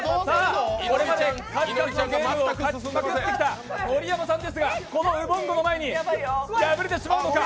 これまで数々のゲームを勝ち抜いてきた盛山さんですが、このウボンゴの前に負けてしまうのか。